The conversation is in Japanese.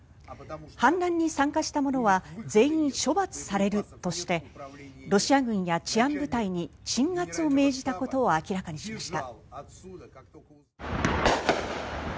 反乱に参加した者は全員処罰されるとしてロシア軍や治安部隊に鎮圧を命じたことを明らかにしました。